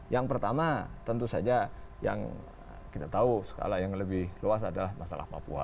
yang pertama tentu saja yang kita tahu skala yang lebih luas adalah masalah papua